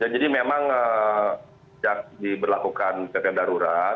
jadi memang diberlakukan ke darurat